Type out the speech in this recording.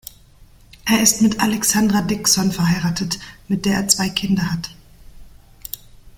Er ist mit Alexandra Dickson verheiratet, mit der er zwei Kinder hat.